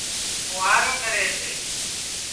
ڦوهارو ڪري سي